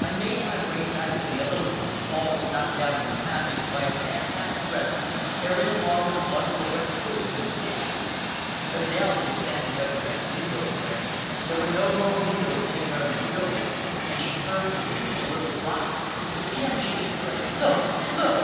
I made my way back to the other room, almost knocked down in the passage by a man, half dressed, tearing along with a bundle of wet proofs in his hand. Adèle was standing by the wrecked window frame there were no more windows anywhere in the building and she turned to me with a little cry. "Jim!" she exclaimed, "Look! Look!"